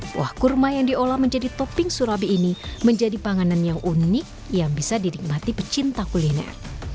buah kurma yang diolah menjadi topping surabi ini menjadi panganan yang unik yang bisa dinikmati pecinta kuliner